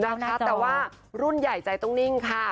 นะคะแต่ว่ารุ่นใหญ่ใจต้องนิ่งค่ะ